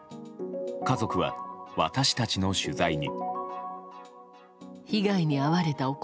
家族は、私たちの取材に。